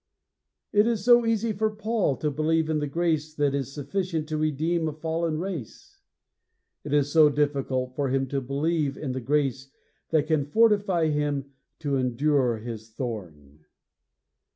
It is so easy for Paul to believe in the grace that is sufficient to redeem a fallen race: it is so difficult for him to believe in the grace that can fortify him to endure his thorn!